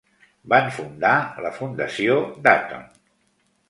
Van fundar la Fundació Dutton.